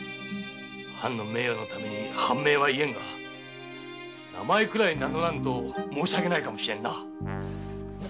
藩の名誉のために藩名は言えんが名前くらい名乗らんと申し訳ないかもしれんな。